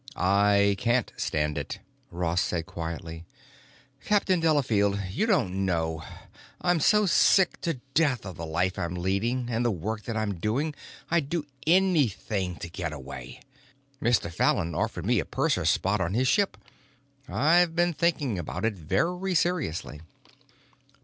"I can't stand it," Ross said quietly. "Captain Delafield, you don't know—I'm so sick to death of the life I'm leading and the work I'm doing that I'd do anything to get away. Mr. Fallon offered me a purser's spot on his ship; I've been thinking about it very seriously."